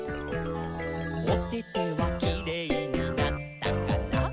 「おててはキレイになったかな？」